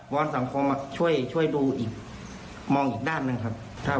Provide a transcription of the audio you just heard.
วรรณสังคมช่วยช่วยดูอีกมองอีกด้านนึงครับถ้า